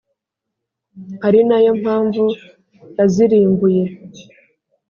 Ari na yo mpamvu bazirimbuye